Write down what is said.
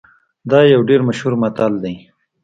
دا یو ډیر مشهور متل دی